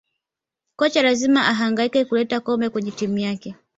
kocha lazima ahangaika kuleta kombe kwenye timu yake